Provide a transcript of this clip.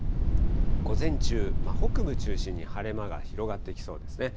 午前中、北部中心に晴れ間が広がってきそうですね。